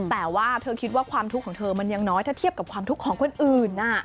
แต่ว่าเธอคิดว่าความทุกข์ของเธอมันยังน้อยถ้าเทียบกับความทุกข์ของคนอื่น